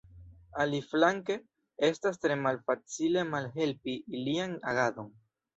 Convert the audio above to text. Aliflanke, estas tre malfacile malhelpi ilian agadon.